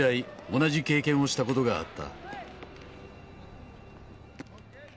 同じ経験をしたことがあった。